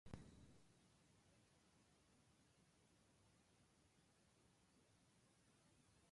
大きな声で次の文章を読んでね